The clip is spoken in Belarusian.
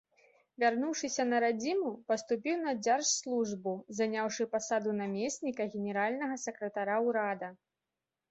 Вярнуўшыся на радзіму, паступіў на дзяржслужбу, заняўшы пасаду намесніка генеральнага сакратара ўрада.